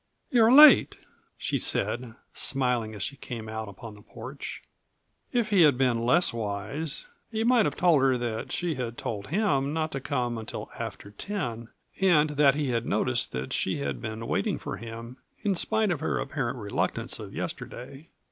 "You're late," she said, smiling as she came out upon the porch. If he had been less wise he might have told her that she had told him not to come until after ten and that he had noticed that she had been waiting for him in spite of her apparent reluctance of yesterday.